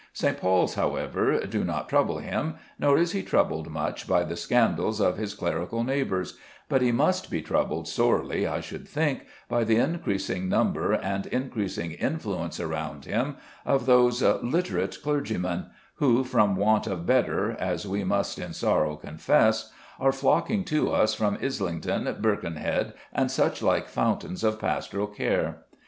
St. Pauls, however, do not trouble him; nor is he troubled much by the scandals of his clerical neighbours; but he must be troubled sorely, I should think, by the increasing number and increasing influence around him of those "literate" clergymen who from want of better, as we must in sorrow confess, are flocking to us from Islington, Birkenhead, and such like fountains of pastoral care.